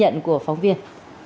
ghi nhận của phóng viên